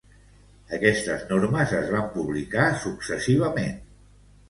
Aquestes normes es van publicar successivament.